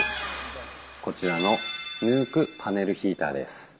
こちらのヌークパネルヒーターです。